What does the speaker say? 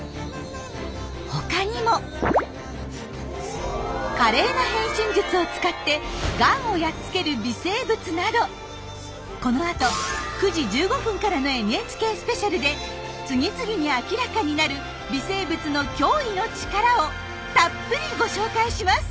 ほかにも華麗な変身術を使ってがんをやっつける微生物などこのあと９時１５分からの「ＮＨＫスペシャル」で次々に明らかになる微生物の驚異の力をたっぷりご紹介します！